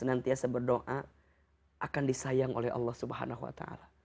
akan disayang oleh allah swt